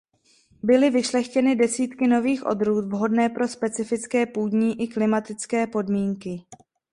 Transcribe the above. Byly vyšlechtěny desítky nových odrůd vhodné pro specifické půdní i klimatické podmínky.